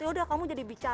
yaudah kamu jadi bicara saja